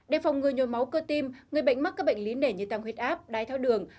đề phòng ngừa nhồi máu cơ tim người bệnh mắc các bệnh lý nể như tăng huyết áp đái tháo đường